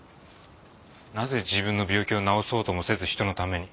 なぜ自分の病気を治そうともせず人のために？